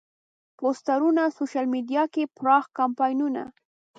پوسترونه، سوشیل میډیا کې پراخ کمپاینونه.